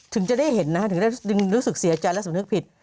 ถึงจะได้เห็นนะฮะถึงได้รู้สึกเสียใจและสำนึกผิด